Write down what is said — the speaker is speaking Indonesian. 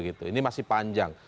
ini masih panjang